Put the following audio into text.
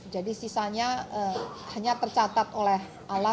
jadi sisanya hanya tercatat oleh alat tidak dirasakan